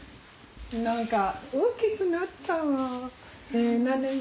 何か大きくなったなぁ。